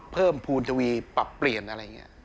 เพิ่มภูมิทวีปรับเปลี่ยนอะไรอย่างนี้